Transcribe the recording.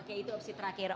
oke itu opsi terakhir